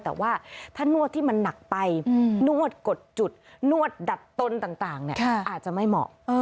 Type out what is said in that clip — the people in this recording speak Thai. แต่ว่าถ้านวดที่มันหนักไปนวดกดจุดนวดดัดตนต่างอาจจะไม่เหมาะ